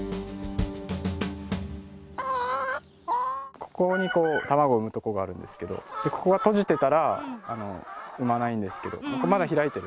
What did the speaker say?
「ここに卵を産むとこがあるんですけどここが閉じてたら産まないんですけどまだ開いてる」。